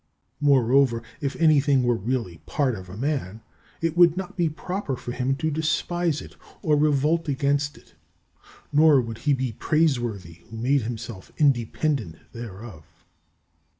Moreover, if anything were really part of a man, it would not be proper for him to despise it or revolt against it, nor would he be praiseworthy who made himself independent thereof.